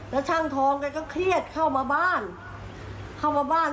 แล้วช่างทองกันก็เครียดเข้ามาบ้าน